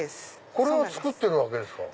これを作ってるわけですか。